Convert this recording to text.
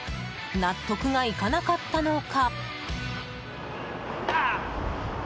納得がいかなかったのか。